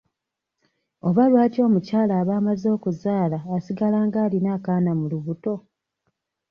Oba lwaki omukyala aba amaze okuzaala asigala ng'alina akaana mu lubuto?